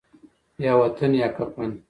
یا وطن یا کفن